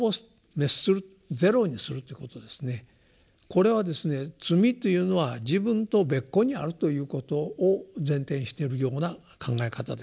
これはですね罪というのは自分と別個にあるということを前提にしているような考え方ですね。